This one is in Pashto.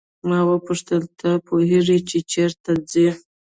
ما وپوښتل ته پوهیږې چې چیرې ځې.